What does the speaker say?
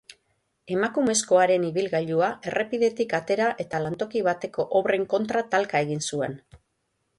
Emakumezkoaren ibilgailua errepidetik atera eta lantoki bateko obren kontra talka egin zuen.